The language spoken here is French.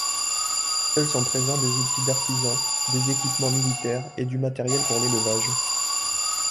Seuls sont présents des outils d'artisans, des équipements militaires et du matériel pour l'élevage.